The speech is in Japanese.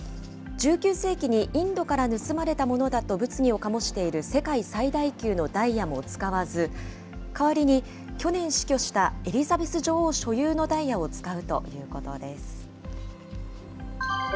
１９世紀にインドから盗まれたものだと物議を醸している世界最大級のダイヤも使わず、代わりに、去年死去したエリザベス女王所有のダイヤを使うということです。